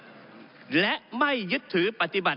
ก็ได้มีการอภิปรายในภาคของท่านประธานที่กรกครับ